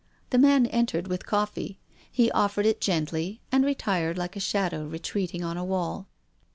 The man entered with coffee. He offered it gently, and retired like a shadow retreating on a wall.